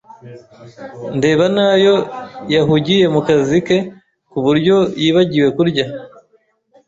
ndeba nayo yahugiye mu kazi ke ku buryo yibagiwe kurya.